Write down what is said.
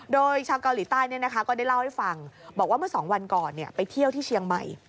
โดยชาวเกาหลีใต้ก็ได้เล่าให้ฟังบอกว่าเมื่อ๒วันก่อนไปเที่ยวที่เชียงใหม่